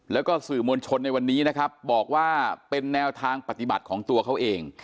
แล้วก็สื่อมวลชนในวันนี้นะครับบอกว่าเป็นแนวทางปฏิบัติของตัวเขาเอง